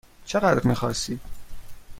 چقدر میخواستید؟